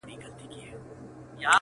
زما په یاد دي پاچا خره ته وه ویلي!